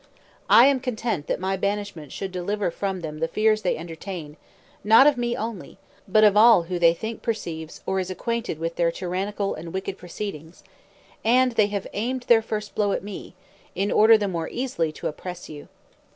I am content that my banishment should deliver them from the fears they entertain, not of me only, but of all who they think perceives or is acquainted wit their tyrannical and wicked proceedings; and they have aimed their first blow at me, in order the more easily to oppress you.